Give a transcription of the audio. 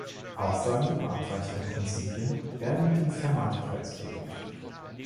Aussagen über abweichende Prinzipien werden mit dem Fermat-Preis belohnt.